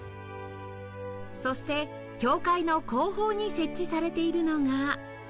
そして教会の後方に設置されているのが